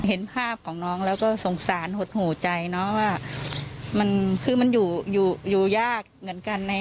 เห็นภาพของน้องแล้วก็สงสารหดหูใจเนาะว่ามันคือมันอยู่อยู่ยากเหมือนกัน